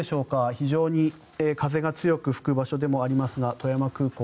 非常に風が強く吹く場所でもありますが富山空港。